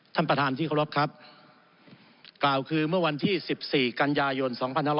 ท่านประธานที่เคารพครับกล่าวคือเมื่อวันที่๑๔กันยายน๒๕๖๒